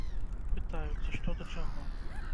Пытаюцца, што да чаго.